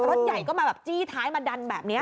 รถใหญ่ก็มาแบบจี้ท้ายมาดันแบบนี้